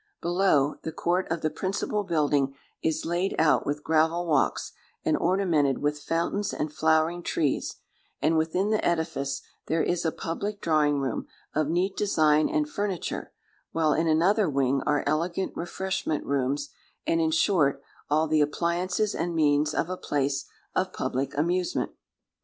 Below, the court of the principal building is laid out with gravel walks, and ornamented with fountains and flowering trees; and within the edifice there is a public drawing room, of neat design and furniture; while in another wing are elegant refreshment rooms—and, in short, all the appliances and means of a place of public amusement.